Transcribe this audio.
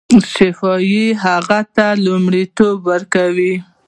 شفاهي هغو ته لومړیتوب ورکاوه.